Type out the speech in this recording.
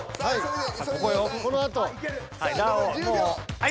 ［はい！